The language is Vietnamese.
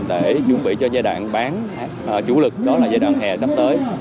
để chuẩn bị cho giai đoạn bán chủ lực đó là giai đoạn hè sắp tới